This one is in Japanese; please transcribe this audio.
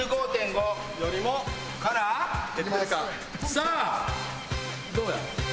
さあどうや？